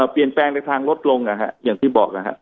เปลี่ยนแปลงจากทางรถลงอย่างที่บอก